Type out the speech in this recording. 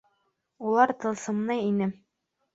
Улар тылсымлы ине.